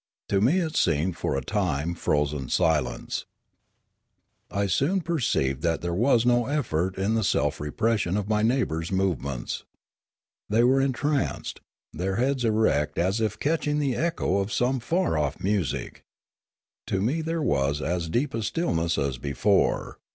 To me it seemed for a time frozen silence. I soon perceived that there was no effort in the self repression of my neighbours' movements. They were entranced, their heads erect as if catching the echo of some far off music. To me there was as deep stillness as before.